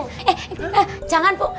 eh jangan bu